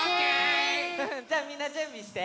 じゃみんなじゅんびして。